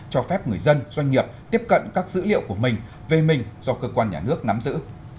cho phép người dân doanh nghiệp tiếp cận các dữ liệu của mình về mình do cơ quan nhà nước nắm giữ